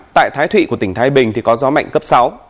tại thái thụy của tỉnh thái bình thì có gió mạnh cấp sáu